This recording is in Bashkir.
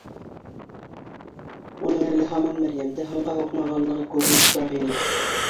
Уның әле һаман Мәрйәмде һанға һуҡмағанлығы күренеп тора ине